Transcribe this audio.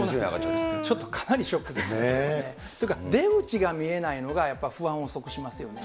ちょっとかなりショックですね。というか、出口が見えないのがやっぱり不安をしますよね。